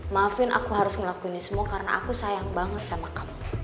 maafin aku harus ngelakuinnya semua karena aku sayang banget sama kamu